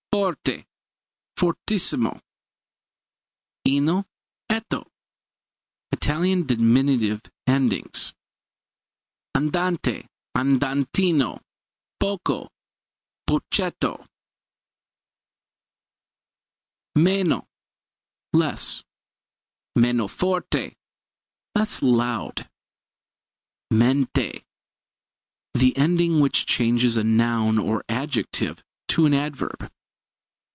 Forte fortissimo. Ino, etto Italian diminutive endings. Andante andantino. Poco pochetto. Meno less. Meno forte less loud. Mente the ending which changes a noun or adjective to an adverb.